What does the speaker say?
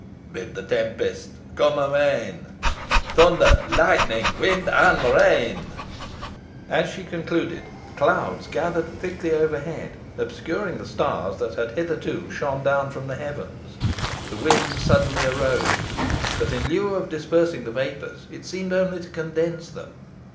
Bid the tempest come amain, Thunder, lightning, wind, and rain!" [Illustration: THE INCANTATION.] As she concluded, clouds gathered thickly overhead, obscuring the stars that had hitherto shone down from the heavens. The wind suddenly arose, but in lieu of dispersing the vapours it seemed only to condense them.